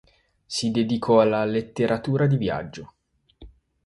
Si dedicò alla letteratura di viaggio.